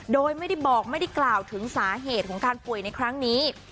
โดยไม่ได้บอกไม่ได้กล่าวถึงสาเหตุของการป่วยในครั้งนี้